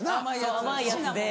そう甘いやつで。